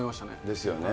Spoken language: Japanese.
ですよね。